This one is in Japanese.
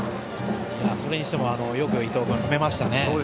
それにしてもよく伊藤が止めましたね。